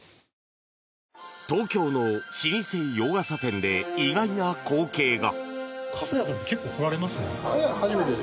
東京の老舗洋傘店で意外な光景が。